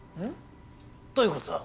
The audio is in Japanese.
どういうことだ？